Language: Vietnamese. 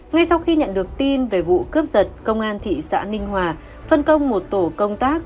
ngay sau khi nhận được tin về vụ cướp giật công an thị xã ninh hòa phân công một tổ công tác